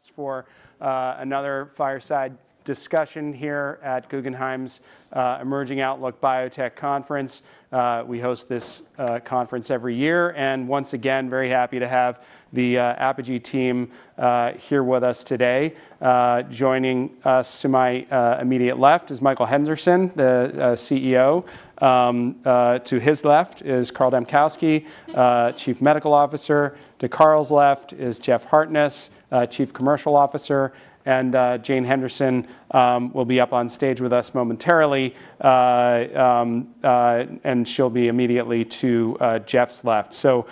Welcome us for another fireside discussion here at Guggenheim's Emerging Outlook Biotech Conference. We host this conference every year, and once again, very happy to have the Apogee team here with us today. Joining us to my immediate left is Michael Henderson, the CEO. To his left is Carl Dambkowski, Chief Medical Officer. To Carl's left is Jeff Hartness, Chief Commercial Officer, and Jane Henderson will be up on stage with us momentarily, and she'll be immediately to Jeff's left. So,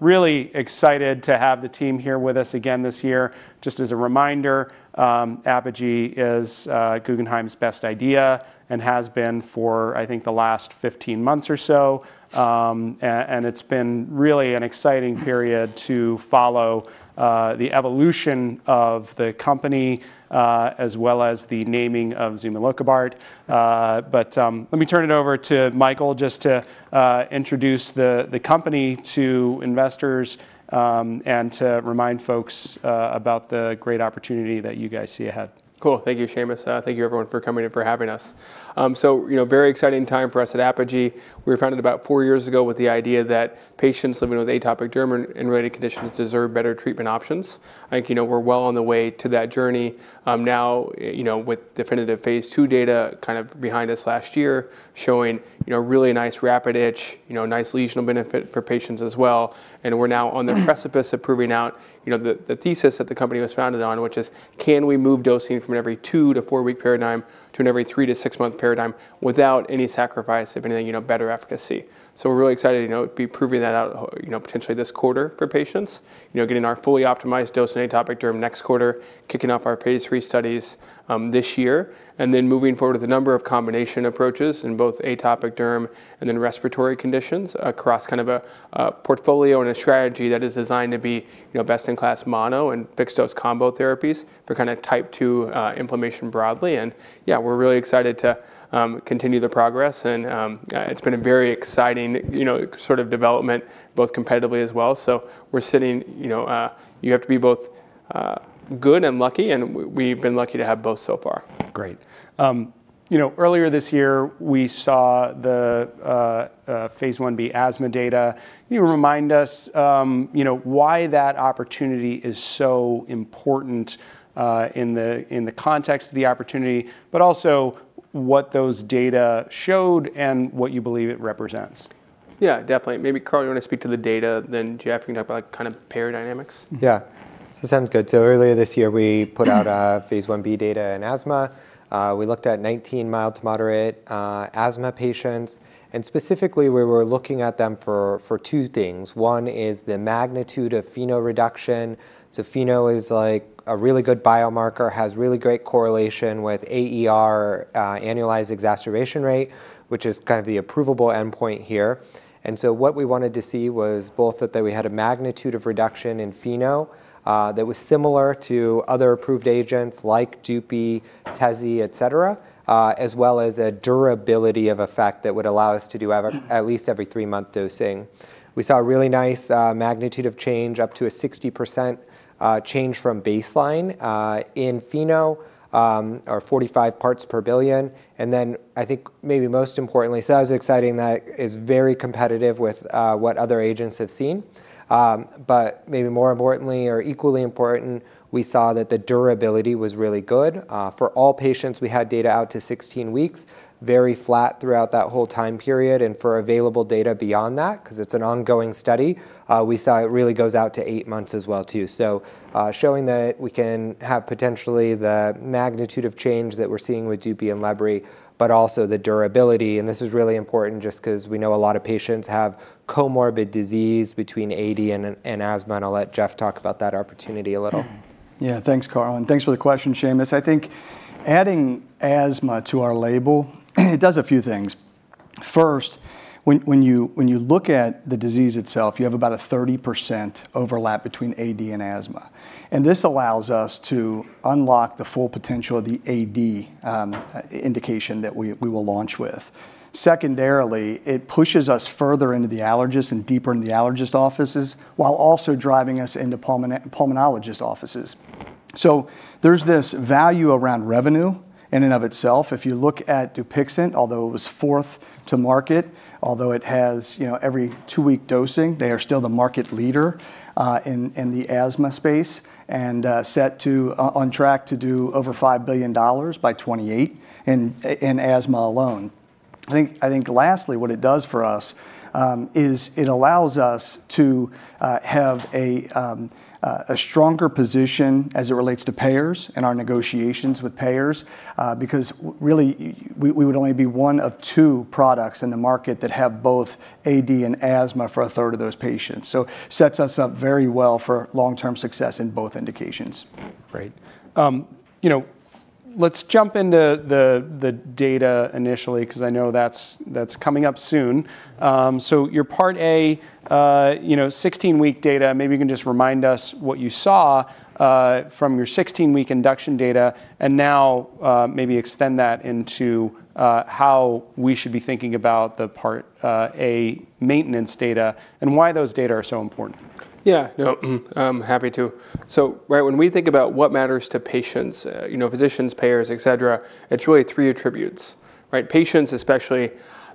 really excited to have the team here with us again this year. Just as a reminder, Apogee is Guggenheim's Best Idea and has been for, I think, the last 15 months or so. And it's been really an exciting period to follow the evolution of the company as well as the naming of zumilokibart. But let me turn it over to Michael just to introduce the company to investors and to remind folks about the great opportunity that you guys see ahead. Cool. Thank you, Seamus. Thank you, everyone, for coming and for having us. So, you know, very exciting time for us at Apogee. We were founded about four years ago with the idea that patients living with atopic dermatitis and related conditions deserve better treatment options. I think, you know, we're well on the way to that journey, now, you know, with definitive Phase II data kind of behind us last year, showing, you know, really nice rapid itch, you know, nice lesional benefit for patients as well, and we're now on the precipice of proving out, you know, the thesis that the company was founded on, which is: Can we move dosing from an every 2- to 4-week paradigm to an every 3- to 6-month paradigm without any sacrifice, if anything, you know, better efficacy? So we're really excited, you know, to be proving that out, you know, potentially this quarter for patients. You know, getting our fully optimized dose in atopic derm next quarter, kicking off our Phase III studies this year, and then moving forward with a number of combination approaches in both atopic derm and in respiratory conditions across kind of a, a portfolio and a strategy that is designed to be, you know, best-in-class mono and fixed-dose combo therapies for kind of Type 2 inflammation broadly. And yeah, we're really excited to continue the progress, and it's been a very exciting, you know, sort of development, both competitively as well. So we're sitting... You know, you have to be both good and lucky, and we've been lucky to have both so far. Great. You know, earlier this year, we saw the Phase 1b asthma data. Can you remind us, you know, why that opportunity is so important in the context of the opportunity, but also what those data showed and what you believe it represents? Yeah, definitely. Maybe, Carl, you want to speak to the data, then, Jeff, you can talk about kind of pair dynamics? Yeah. So sounds good. Earlier this year, we put out a Phase 1b data in asthma. We looked at 19 mild to moderate asthma patients, and specifically, we were looking at them for two things. One is the magnitude of FeNO reduction. So FeNO is, like, a really good biomarker, has really great correlation with AER, Annualized Exacerbation Rate, which is kind of the approvable endpoint here. And so what we wanted to see was both that we had a magnitude of reduction in FeNO that was similar to other approved agents like Dupi, Tezi, et cetera, as well as a durability of effect that would allow us to do every at least every three-month dosing. We saw a really nice magnitude of change, up to a 60% change from baseline in FeNO, or 45 parts per billion. And then I think maybe most importantly, so that was exciting, that is very competitive with what other agents have seen. But maybe more importantly or equally important, we saw that the durability was really good. For all patients, we had data out to 16 weeks, very flat throughout that whole time period, and for available data beyond that, 'cause it's an ongoing study, we saw it really goes out to 8 months as well, too. So, showing that we can have potentially the magnitude of change that we're seeing with Dupixent and lebrikizumab, but also the durability, and this is really important just 'cause we know a lot of patients have comorbid disease between AD and asthma, and I'll let Jeff talk about that opportunity a little. Yeah, thanks, Carl, and thanks for the question, Seamus. I think adding asthma to our label, it does a few things. First, when you look at the disease itself, you have about a 30% overlap between AD and asthma, and this allows us to unlock the full potential of the AD indication that we will launch with. Secondarily, it pushes us further into the allergist and deeper into the allergist offices, while also driving us into pulmonologist offices. So there's this value around revenue in and of itself. If you look at Dupixent, although it was fourth to market, although it has, you know, every two-week dosing, they are still the market leader in the asthma space, and set to, on track to do over $5 billion by 2028 in asthma alone. I think, I think lastly, what it does for us, is it allows us to, have a, a stronger position as it relates to payers and our negotiations with payers, because really, we, we would only be one of two products in the market that have both AD and asthma for a third of those patients. So sets us up very well for long-term success in both indications. Great. You know, let's jump into the data initially, 'cause I know that's coming up soon. So your Part A, you know, 16-week data, maybe you can just remind us what you saw from your 16-week induction data, and now maybe extend that into how we should be thinking about the Part A maintenance data and why those data are so important? Yeah, no, I'm happy to. So right when we think about what matters to patients, you know, physicians, payers, et cetera, it's really three attributes, right? Patients, especially,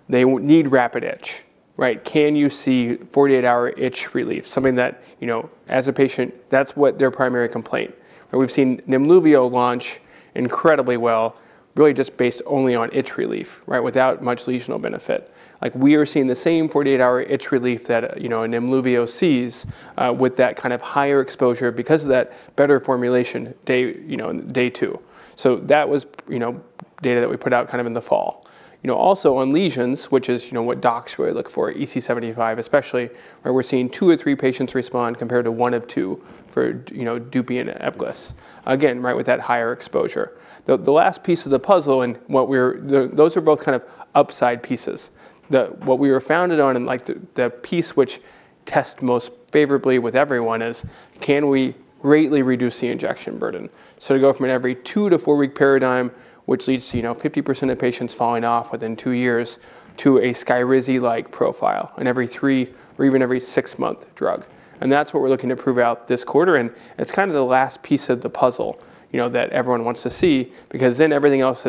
they need rapid itch, right? Can you see 48-hour itch relief? Something that, you know, as a patient, that's what their primary complaint. And we've seen Nemluvio launch incredibly well, really just based only on itch relief, right? Without much lesional benefit. Like, we are seeing the same 48-hour itch relief that, you know, Nemluvio sees, with that kind of higher exposure because of that better formulation day, you know, day two. So that was, you know, data that we put out kind of in the fall. You know, also on lesions, which is, you know, what docs really look for, EASI-75 especially, where we're seeing 2 or 3 patients respond compared to one of two for, you know, Dupi and Ebglyss. Again, right, with that higher exposure. The last piece of the puzzle and what we're—the those are both kind of upside pieces. What we were founded on and, like, the piece which test most favorably with everyone is, can we greatly reduce the injection burden? So to go from an every 2- to 4-week paradigm, which leads to, you know, 50% of patients falling off within 2 years to a Skyrizi-like profile, an every 3- or even 6-month drug. That's what we're looking to prove out this quarter, and it's kind of the last piece of the puzzle, you know, that everyone wants to see, because then everything else,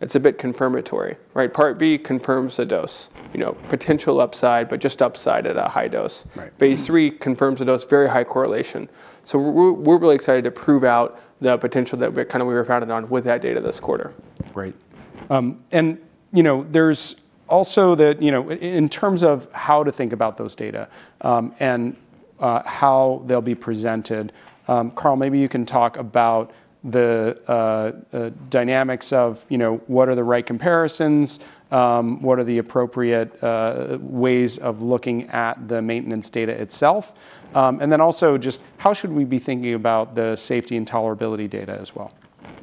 it's a bit confirmatory, right? Part B confirms the dose, you know, potential upside, but just upside at a high dose. Right. Phase III confirms the dose, very high correlation. So we're really excited to prove out the potential that we kind of were founded on with that data this quarter. Great. And, you know, there's also that, you know, in terms of how to think about those data, and how they'll be presented, Carl, maybe you can talk about the dynamics of, you know, what are the right comparisons, what are the appropriate ways of looking at the maintenance data itself? And then also just how should we be thinking about the safety and tolerability data as well?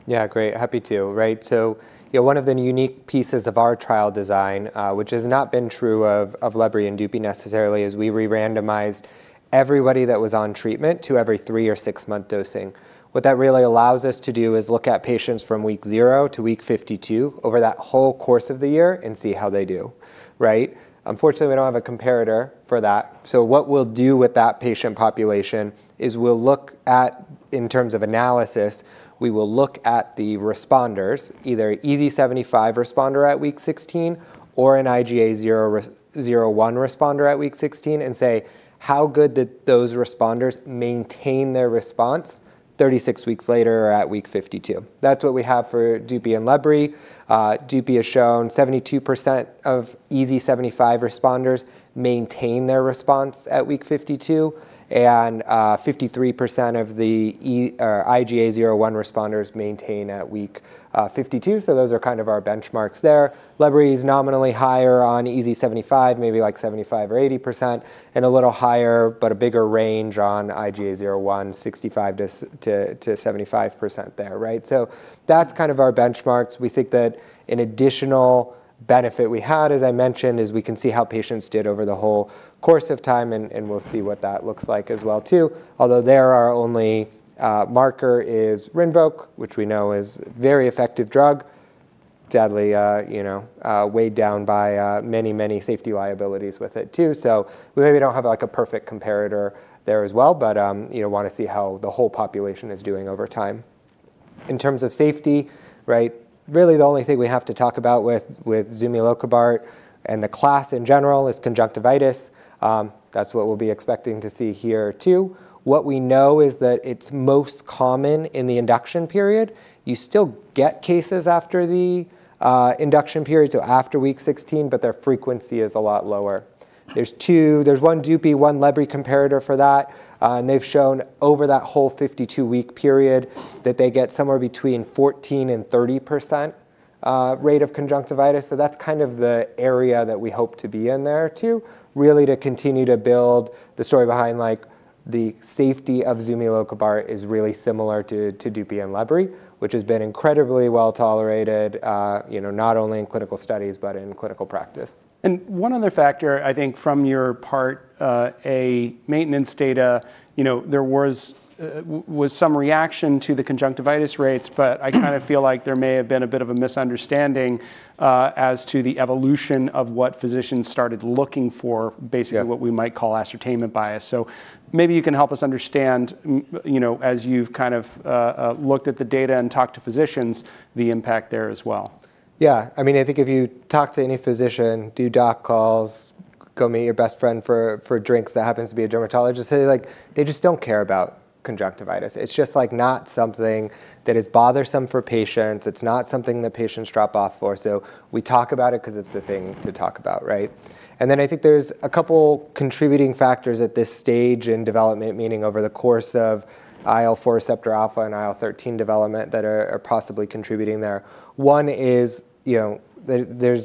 Yeah, great. Happy to. Right. So, yeah, one of the unique pieces of our trial design, which has not been true of Lebri and Dupi necessarily, is we re-randomized everybody that was on treatment to every 3- or 6-month dosing. What that really allows us to do is look at patients from week 0 to week 52 over that whole course of the year and see how they do, right? Unfortunately, we don't have a comparator for that. So what we'll do with that patient population is we'll look at, in terms of analysis, we will look at the responders, either EASI-75 responder at week 16 or an IGA 0/1 responder at week 16 and say: How good did those responders maintain their response 36 weeks later or at week 52? That's what we have for Dupi and Lebri. Dupixent has shown 72% of EASI-75 responders maintain their response at week 52, and 53% of the EASI or IGA 0/1 responders maintain at week 52. So those are kind of our benchmarks there. Ebglyss is nominally higher on EASI-75, maybe like 75% or 80%, and a little higher, but a bigger range on IGA 0/1, 65%-75% there. Right? So that's kind of our benchmarks. We think that an additional benefit we had, as I mentioned, is we can see how patients did over the whole course of time, and we'll see what that looks like as well, too. Although the oral marker is Rinvoq, which we know is a very effective drug, badly, you know, weighed down by many, many safety liabilities with it, too. So we maybe don't have, like, a perfect comparator there as well, but, you know, want to see how the whole population is doing over time. In terms of safety, right, really, the only thing we have to talk about with, with zumilokibart and the class in general is conjunctivitis. That's what we'll be expecting to see here, too. What we know is that it's most common in the induction period. You still get cases after the, induction period, so after week 16, but their frequency is a lot lower. There's one Dupi, one Lebri comparator for that, and they've shown over that whole 52-week period that they get somewhere between 14% and 30%, rate of conjunctivitis. So that's kind of the area that we hope to be in there, too. Really to continue to build the story behind, like, the safety of zumilokibart is really similar to Dupi and Lebri, which has been incredibly well tolerated, you know, not only in clinical studies, but in clinical practice. One other factor, I think from your part, a maintenance data, you know, there was some reaction to the conjunctivitis rates, but I kind of feel like there may have been a bit of a misunderstanding, as to the evolution of what physicians started looking for. Yeah... basically, what we might call ascertainment bias. So maybe you can help us understand, you know, as you've kind of looked at the data and talked to physicians, the impact there as well. Yeah. I mean, I think if you talk to any physician, do doc calls, go meet your best friend for, for drinks that happens to be a dermatologist, they, like, they just don't care about conjunctivitis. It's just, like, not something that is bothersome for patients. It's not something that patients drop off for. So we talk about it 'cause it's a thing to talk about, right? And then I think there's a couple contributing factors at this stage in development, meaning over the course of IL-4 receptor alpha and IL-13 development, that are, are possibly contributing there. One is, you know,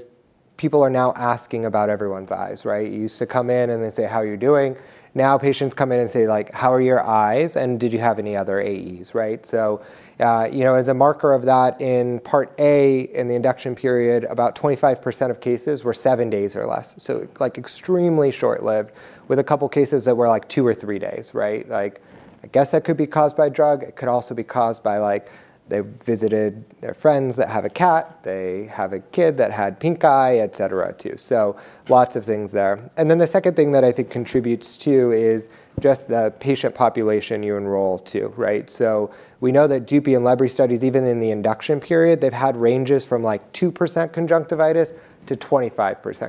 people are now asking about everyone's eyes, right? You used to come in, and they'd say: "How are you doing?" Now, patients come in and say, like: "How are your eyes, and did you have any other AEs?" Right. So, you know, as a marker of that, in Part A, in the induction period, about 25% of cases were seven days or less, so like extremely short-lived, with a couple cases that were, like, two or three days, right? Like, I guess that could be caused by drug. It could also be caused by, like, they've visited their friends that have a cat, they have a kid that had pink eye, et cetera, too. So lots of things there. And then the second thing that I think contributes to is just the patient population you enroll, too, right? So we know that Dupi and Lebri studies, even in the induction period, they've had ranges from, like, 2%-25%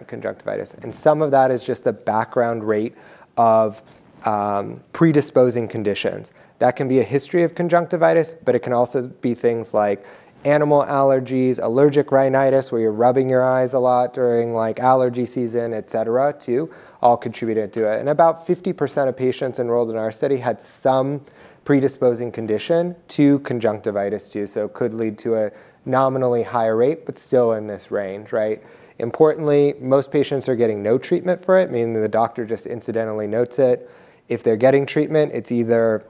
conjunctivitis, and some of that is just the background rate of predisposing conditions. That can be a history of conjunctivitis, but it can also be things like animal allergies, allergic rhinitis, where you're rubbing your eyes a lot during, like, allergy season, et cetera, too, all contributed to it. And about 50% of patients enrolled in our study had some predisposing condition to conjunctivitis, too, so could lead to a nominally higher rate, but still in this range, right? Importantly, most patients are getting no treatment for it, meaning that the doctor just incidentally notes it. If they're getting treatment, it's either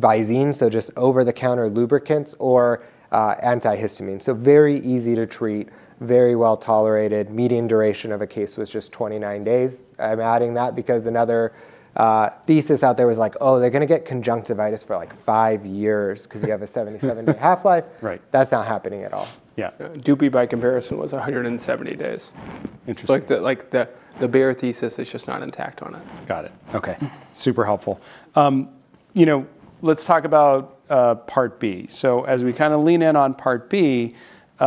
Visine, so just over-the-counter lubricants or antihistamine. So very easy to treat, very well-tolerated. Median duration of a case was just 29 days. I'm adding that because another thesis out there was like, "Oh, they're gonna get conjunctivitis for, like, 5 years," 'cause you have a 77-day half-life. Right. That's not happening at all. Yeah. Dupi, by comparison, was 170 days. Interesting. Like, the bare thesis is just not intact on it. Got it. Okay. Super helpful. You know, let's talk about Part B. So as we kinda lean in on Part B, you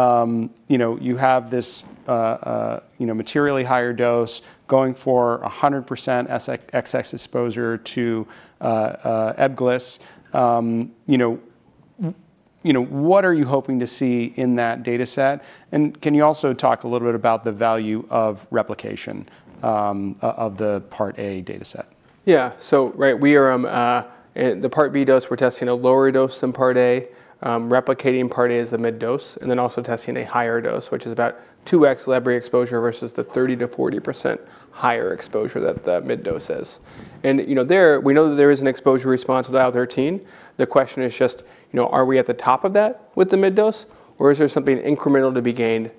know, you have this, you know, materially higher dose going for 100% exposure to Ebglyss. You know, what are you hoping to see in that data set? And can you also talk a little bit about the value of replication of the Part A data set? Yeah. So right, we are the Part B dose, we're testing a lower dose than Part A, replicating Part A as the mid dose, and then also testing a higher dose, which is about 2x lebrikizumab exposure versus the 30%-40% higher exposure that the mid dose is. And, you know, there, we know that there is an exposure response with IL-13. The question is just, you know, are we at the top of that with the mid dose, or is there something incremental to be gained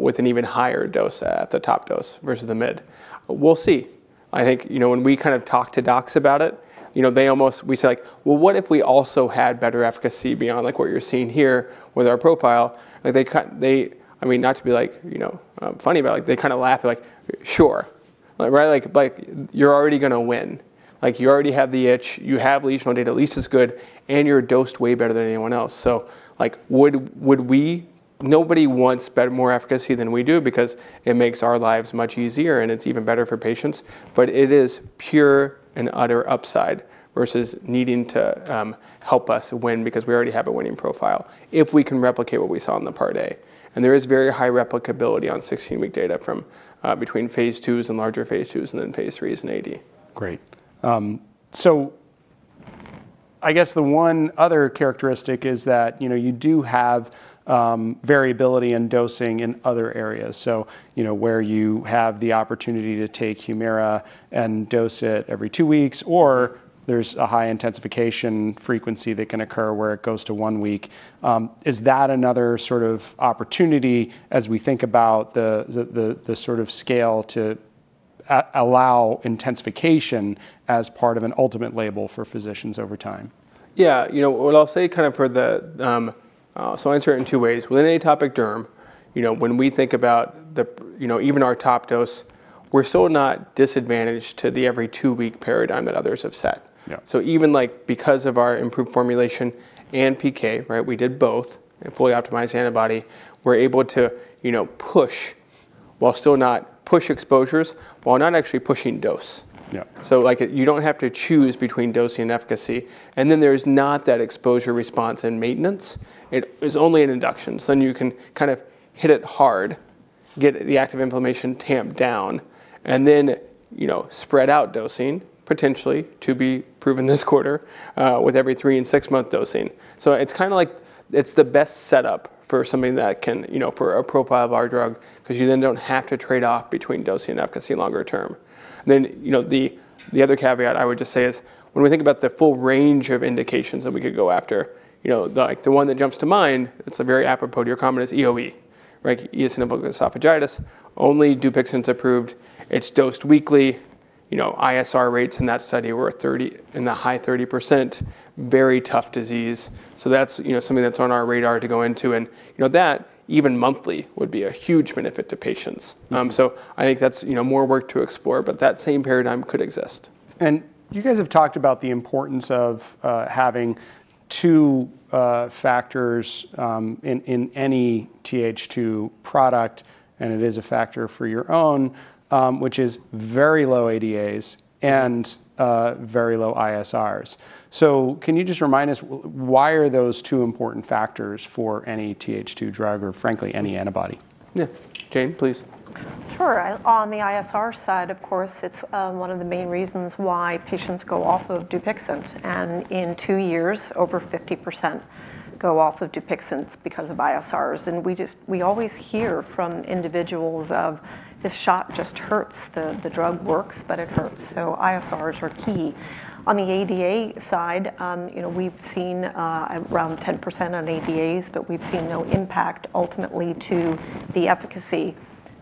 with an even higher dose at the top dose versus the mid? We'll see. I think, you know, when we kind of talk to docs about it, you know, they almost- we say, like: "Well, what if we also had better efficacy beyond, like, what you're seeing here with our profile?" Like, they ki- they... I mean, not to be like, you know, funny, but, like, they kinda laugh, they're like: "Sure." Like, right, like, like you're already gonna win. Like, you already have the itch, you have Phase 1 data at least as good, and you're dosed way better than anyone else. So, like, would we-- nobody wants better, more efficacy than we do because it makes our lives much easier, and it's even better for patients, but it is pure and utter upside versus needing to, help us win because we already have a winning profile, if we can replicate what we saw in the Part A. And there is very high replicability on 16-week data from, between Phase IIs and larger Phase IIs and then Phase IIIs and AD. Great. So I guess the one other characteristic is that, you know, you do have variability in dosing in other areas. So, you know, where you have the opportunity to take Humira and dose it every two weeks, or there's a high intensification frequency that can occur where it goes to one week, is that another sort of opportunity as we think about the sort of scale to allow intensification as part of an ultimate label for physicians over time? Yeah, you know what, I'll say kind of for the... So I'll answer it in two ways. Within atopic derm, you know, when we think about the, you know, even our top dose, we're still not disadvantaged to the every two-week paradigm that others have set. Yeah. So even, like, because of our improved formulation and PK, right, we did both a fully optimized antibody. We're able to, you know, push while still not push exposures, while not actually pushing dose. Yeah. So, like, you don't have to choose between dosing and efficacy, and then there's not that exposure response in maintenance. It is only in induction, so then you can kind of hit it hard, get the active inflammation tamped down, and then, you know, spread out dosing, potentially, to be proven this quarter, with every 3- and 6-month dosing. So it's kinda like it's the best setup for something that can... you know, for a profile of our drug, 'cause you then don't have to trade off between dosing and efficacy longer term. Then, you know, the, the other caveat I would just say is, when we think about the full range of indications that we could go after, you know, like, the one that jumps to mind, it's a very apropos to your comment, is EoE, right? Eosinophilic esophagitis. Only Dupixent's approved, it's dosed weekly. You know, ISR rates in that study were 30, in the high 30%. Very tough disease. So that's, you know, something that's on our radar to go into, and, you know, that, even monthly, would be a huge benefit to patients. I think that's, you know, more work to explore, but that same paradigm could exist. And you guys have talked about the importance of having two factors in any TH2 product, and it is a factor for your own, which is very low ADAs and very low ISRs. So can you just remind us why are those two important factors for any TH2 drug or, frankly, any antibody? Yeah. Jane, please. Sure, on the ISR side, of course, it's one of the main reasons why patients go off of Dupixent, and in two years, over 50% go off of Dupixent because of ISRs. And we always hear from individuals of, "This shot just hurts. The drug works, but it hurts." So ISRs are key. On the ADA side, you know, we've seen around 10% on ADAs, but we've seen no impact ultimately to the efficacy.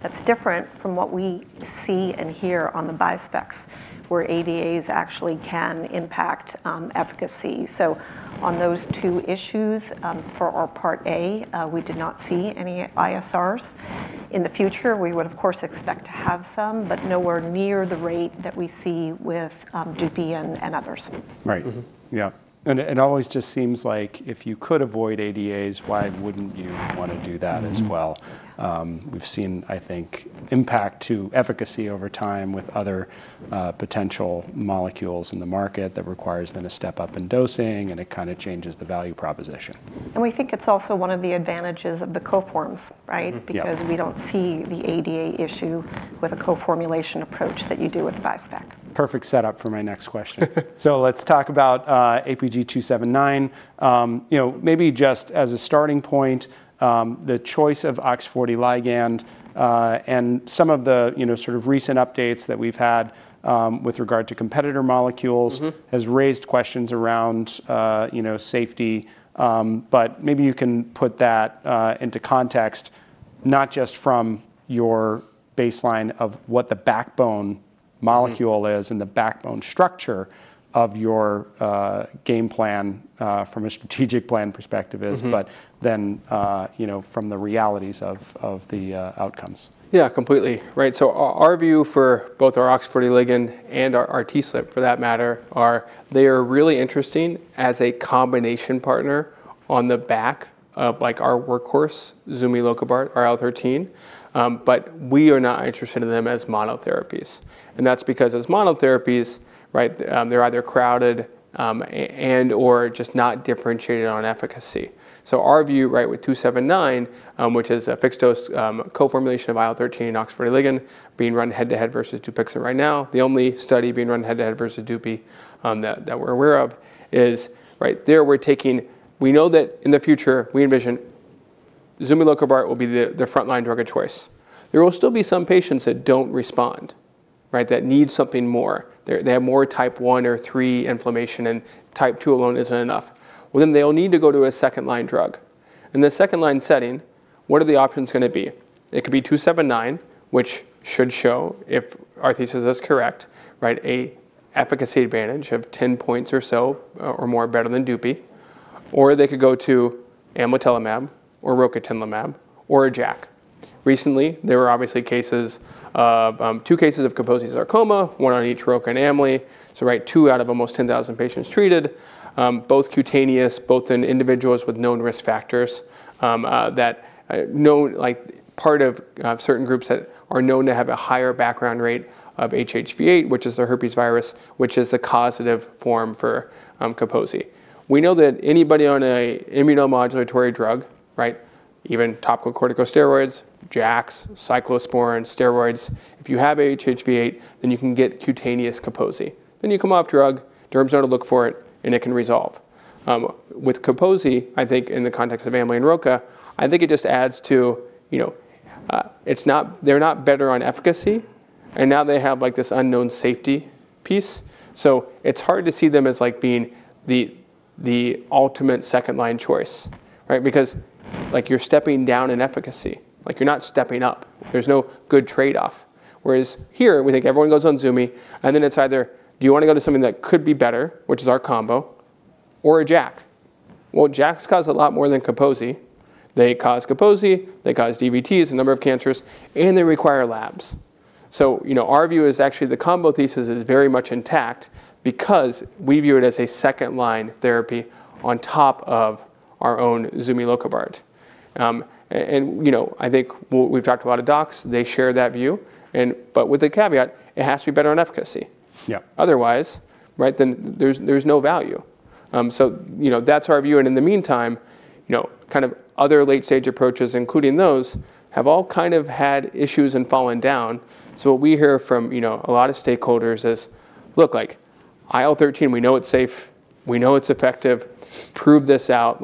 That's different from what we see and hear on the biosimilars, where ADAs actually can impact efficacy. So on those two issues, for our Part A, we did not see any ISRs. In the future, we would, of course, expect to have some, but nowhere near the rate that we see with Dupi and others. Right. Yeah. And it always just seems like if you could avoid ADAs, why wouldn't you want to do that as well? We've seen, I think, impact to efficacy over time with other potential molecules in the market. That requires them to step up in dosing, and it kind of changes the value proposition. We think it's also one of the advantages of the co-forms, right? Yeah. Because we don't see the ADA issue with a co-formulation approach that you do with bispecific. Perfect setup for my next question. So let's talk about APG279. You know, maybe just as a starting point, the choice of OX40 ligand and some of the, you know, sort of recent updates that we've had with regard to competitor molecules has raised questions around, you know, safety. But maybe you can put that into context, not just from your baseline of what the backbone molecule is and the backbone structure of your, game plan, from a strategic plan perspective is but then, you know, from the realities of the outcomes. Yeah, completely. Right, so our view for both our OX40 ligand and our TSLP, for that matter, is that they are really interesting as a combination partner on the back of, like, our workhorse, zumilokibart, our IL-13. But we are not interested in them as monotherapies, and that's because as monotherapies, right, they're either crowded and/or just not differentiated on efficacy. So our view, right, with 279, which is a fixed-dose co-formulation of IL-13 and OX40 ligand being run head-to-head versus Dupixent right now, the only study being run head-to-head versus Dupi that we're aware of, is right there we're taking. We know that in the future, we envision zumilokibart will be the frontline drug of choice. There will still be some patients that don't respond, right, that need something more. They have more Type 1 or 3 inflammation, and Type 2 alone isn't enough. Well, then they'll need to go to a second-line drug. In the second-line setting, what are the options gonna be? It could be 279, which should show, if our thesis is correct, right, an efficacy advantage of 10 points or so, or more better than Dupi, or they could go to amlitelimab or rocatinlimab or a JAK. Recently, there were obviously cases of 2 cases of Kaposi's sarcoma, one on each Roca and Amli. So, right, 2 out of almost 10,000 patients treated, both cutaneous, both in individuals with known risk factors, like part of certain groups that are known to have a higher background rate of HHV-8, which is the herpes virus, which is the causative form for Kaposi. We know that anybody on an immunomodulatory drug, right, even topical corticosteroids, JAKs, cyclosporine, steroids, if you have HHV-8, then you can get cutaneous Kaposi. Then you come off drug, derms don't look for it, and it can resolve. With Kaposi, I think in the context of Amli and Roca, I think it just adds to, you know, they're not better on efficacy, and now they have, like, this unknown safety piece. So it's hard to see them as, like, being the ultimate second-line choice, right? Because, like, you're stepping down in efficacy. Like, you're not stepping up. There's no good trade-off. Whereas here, we think everyone goes on Zumi, and then it's either, do you want to go to something that could be better, which is our combo, or a JAK? Well, JAKs cause a lot more than Kaposi. They cause Kaposi, they cause DVTs, a number of cancers, and they require labs. So, you know, our view is actually the combo thesis is very much intact because we view it as a second-line therapy on top of our own zumilokibart. And, you know, I think we've talked to a lot of docs, they share that view, and but with the caveat, it has to be better on efficacy. Yeah. Otherwise, right, then there's no value. So, you know, that's our view, and in the meantime, you know, kind of other late-stage approaches, including those, have all kind of had issues and fallen down. So what we hear from, you know, a lot of stakeholders is, "Look, like, IL-13, we know it's safe, we know it's effective. Prove this out.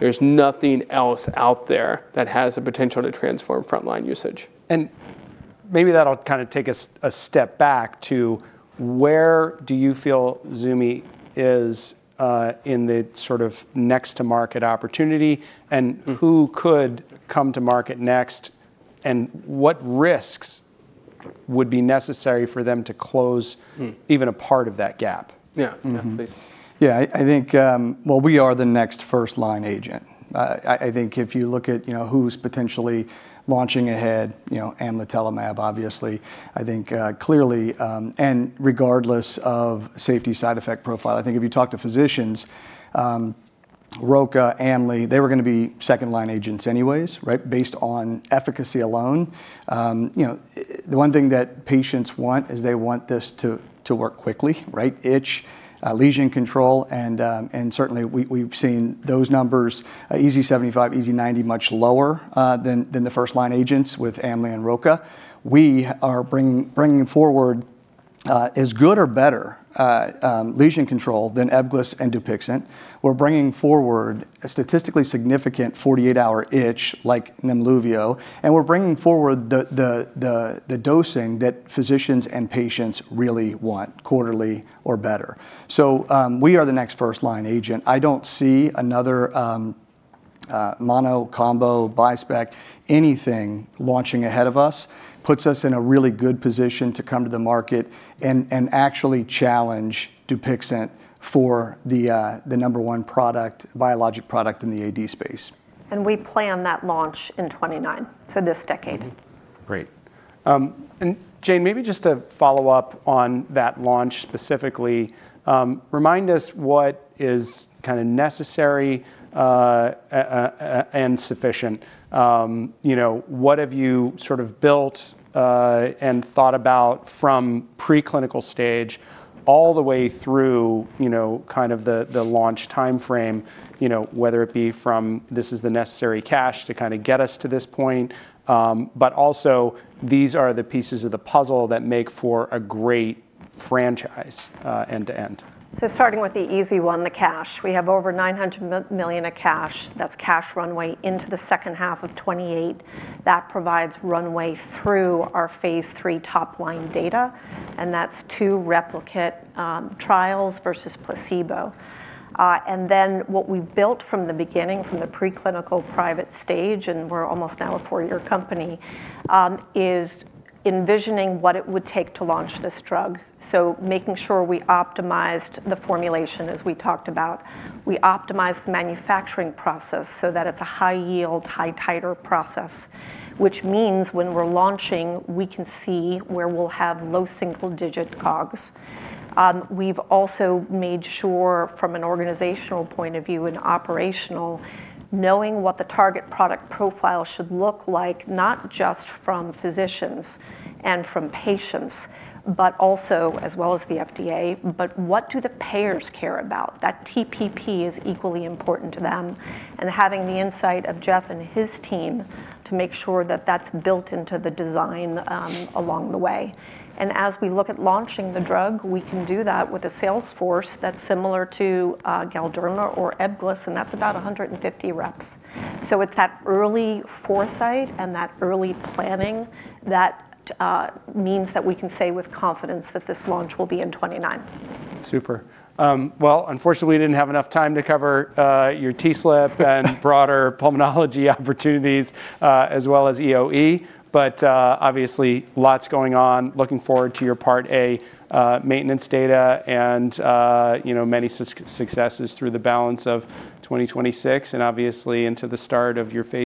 Like, there's nothing else out there that has the potential to transform frontline usage. Maybe that'll kind of take us a step back to, where do you feel Zumi is, in the sort of next-to-market opportunity? Who could come to market next, and what risks would be necessary for them to close even a part of that gap? Yeah. Please. Yeah, I think. Well, we are the next first-line agent. I think if you look at, you know, who's potentially launching ahead, you know, amlitelimab, obviously, I think, clearly, and regardless of safety-side effect profile, I think if you talk to physicians, Roca, Amli, they were gonna be second-line agents anyways, right, based on efficacy alone. You know, the one thing that patients want is they want this to work quickly, right? Itch, lesion control, and certainly we've seen those numbers, EASI-75, EASI-90, much lower than the first-line agents with Amli and Roca. We are bringing forward- ... as good or better lesion control than Ebglyss and Dupixent. We're bringing forward a statistically significant 48-hour itch like Nemluvio, and we're bringing forward the dosing that physicians and patients really want, quarterly or better. So, we are the next first-line agent. I don't see another mono, combo, bispec, anything launching ahead of us, puts us in a really good position to come to the market and actually challenge Dupixent for the number one product, biologic product in the AD space. We plan that launch in 2029, so this decade. Mm-hmm. Great. And Jane, maybe just to follow up on that launch specifically, remind us what is kinda necessary and sufficient. You know, what have you sort of built and thought about from preclinical stage all the way through, you know, kind of the launch timeframe, you know, whether it be from, "This is the necessary cash to kinda get us to this point," but also, "These are the pieces of the puzzle that make for a great franchise," end to end? So starting with the easy one, the cash, we have over $900 million of cash. That's cash runway into the second half of 2028. That provides runway through our Phase III top-line data, and that's 2 replicate trials versus placebo. And then what we've built from the beginning, from the preclinical private stage, and we're almost now a 4-year company, is envisioning what it would take to launch this drug. So making sure we optimized the formulation, as we talked about. We optimized the manufacturing process so that it's a high-yield, high-titer process, which means when we're launching, we can see where we'll have low single-digit COGS. We've also made sure, from an organizational point of view and operational, knowing what the target product profile should look like, not just from physicians and from patients, but also as well as the FDA, but what do the payers care about? That TPP is equally important to them, and having the insight of Jeff and his team to make sure that that's built into the design, along the way. As we look at launching the drug, we can do that with a sales force that's similar to Galderma or Ebglyss, and that's about 150 reps. It's that early foresight and that early planning that means that we can say with confidence that this launch will be in 2029. Super. Well, unfortunately, we didn't have enough time to cover your TSLP and broader pulmonology opportunities, as well as EoE, but obviously, lots going on. Looking forward to your Part A maintenance data and, you know, many successes through the balance of 2026, and obviously into the start of your phase-